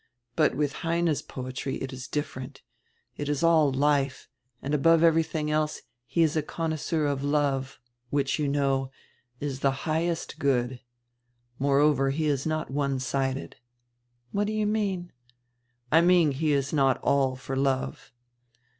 But with Heine's poetry it is dif ferent. It is all life, and above everything else he is a connoisseur of love, which, you know, is the highest good. Moreover, he is not one sided." "What do you mean?" "I mean he is not all for love."